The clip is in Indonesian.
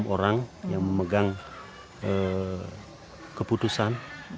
enam orang yang memegang keputusan